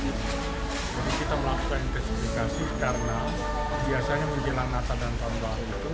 jadi kita melakukan intensifikasi karena biasanya di jelang natal dan tahun baru itu